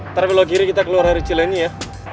ntar bila giri kita keluar dari cilenya ya